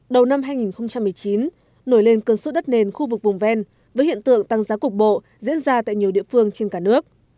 đầu năm hai nghìn một mươi chín nổi lên cơn suốt đất nền khu vực vùng ven với hiện tượng tăng giá cục bộ diễn ra tại nhiều địa phương trên cả nước